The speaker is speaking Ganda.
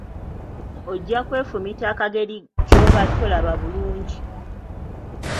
Ojja kwefumita akageri gy’oba tolaba bulungi.